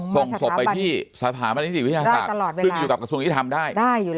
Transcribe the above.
ส่งศพไปที่สถาบันนิติวิทยาศาสตร์ซึ่งอยู่กับกระทรวงยุทธรรมได้